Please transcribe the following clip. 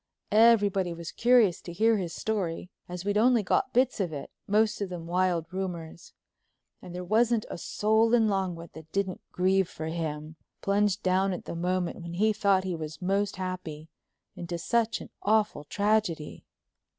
Everybody was curious to hear his story, as we'd only got bits of it, most of them wild rumors. And there wasn't a soul in Longwood that didn't grieve for him, plunged down at the moment when he thought he was most happy into such an awful tragedy.